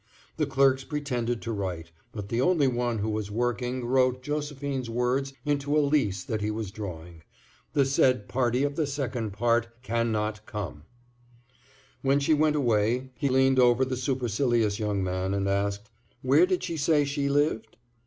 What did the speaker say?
The clerks pretended to write, but the only one who was working wrote Josephine's words into a lease that he was drawing—"the said party of the second part cannot come." When she went away, he leaned over the supercilious young man and asked: "Where did she say she lived?"